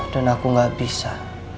dan aku gak bisa